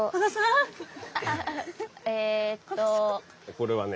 これはね